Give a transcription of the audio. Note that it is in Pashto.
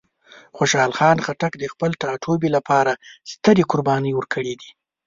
خوشحال خان خټک د خپل ټاټوبي لپاره سترې قربانۍ ورکړې دي.